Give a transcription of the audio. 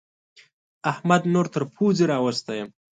احمد نور تر پوزې راوستی يم.